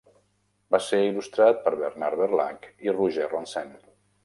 Va ser il·lustrat per Bernard Verlhac i Roger Ronsin.